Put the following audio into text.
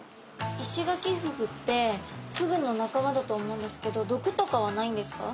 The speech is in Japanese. イシガキフグってフグの仲間だと思うんですけど毒とかはないんですか？